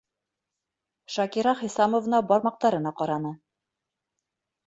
- Шакира Хисамовна бармаҡтарына ҡараны.